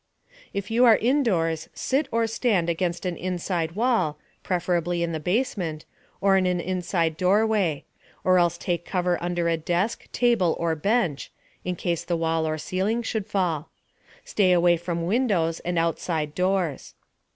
If you are indoors, sit or stand against an inside wall (preferably in the basement), or in an inside doorway; or else take cover under a desk, table or bench (in case the wall or ceiling should fall). Stay away from windows and outside doors.